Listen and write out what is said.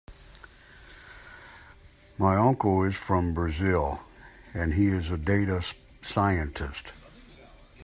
My uncle is from Brazil and he is a data scientist.